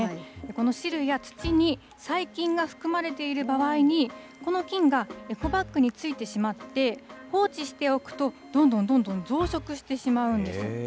この汁や土に細菌が含まれている場合に、この菌がエコバッグについてしまって、放置しておくと、どんどんどんどん増殖してしまうんです。